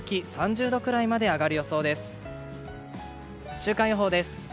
週間予報です。